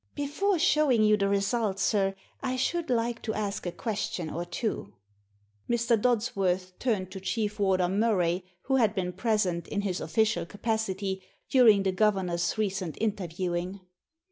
" Before showing you the result, sir, I should like to ask a question or two." Mr. Dodsworth turned to Chief Warder Murray, who had been present, in his official capacity, during the governor's recent inter viewing.